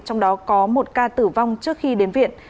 trong đó có một ca tử vong trước khi đến viện